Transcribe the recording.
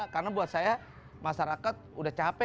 karena buat saya masyarakat udah capek